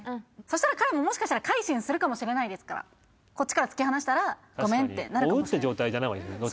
そしたら彼ももしかしたら改心するかもしれないですからこっちから突き放したらごめんってなるかもしれない確かに追うって状態じゃない方がいいですね